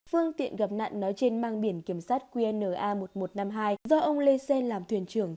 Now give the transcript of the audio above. phương tiện gặp nạn nói trên mang biển kiểm sát qna một nghìn một trăm năm mươi hai do ông lê xê làm thuyền trưởng